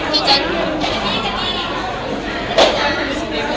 ที่เจนนี่ของกล้องนี้ด้วยนะคะ